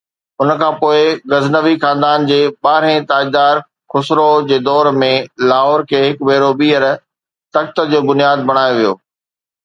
ان کان پوءِ غزنوي خاندان جي ٻارهين تاجدار خسروءَ جي دور ۾، لاهور کي هڪ ڀيرو ٻيهر تخت جو بنياد بڻايو ويو.